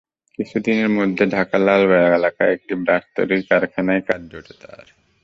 কিছুদিনের মধ্যে ঢাকার লালবাগ এলাকায় একটি ব্রাশ তৈরির কারখানায় কাজ জোটে তাঁর।